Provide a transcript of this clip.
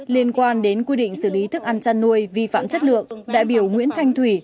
liên quan đến quy định xử lý thức ăn chăn nuôi vi phạm chất lượng đại biểu nguyễn thanh thủy